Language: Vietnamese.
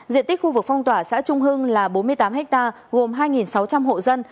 diện tích khu vực phong tỏa xã trung hưng là bốn mươi tám ha gồm hai sáu trăm linh hộ dân